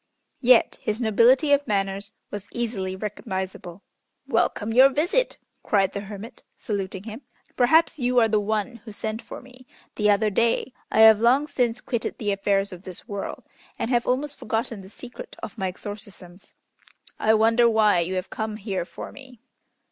Yet his nobility of manners was easily recognizable. "Welcome your visit!" cried the hermit, saluting him. "Perhaps you are the one who sent for me the other day? I have long since quitted the affairs of this world, and have almost forgotten the secret of my exorcisms. I wonder why you have come here for me."